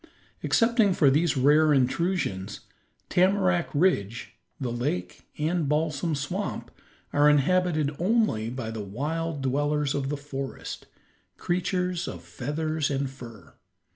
Excepting for these rare intrusions, Tamarack Ridge, the lake, and Balsam Swamp, are inhabited only by the wild dwellers of the forest, creatures of feathers and fur.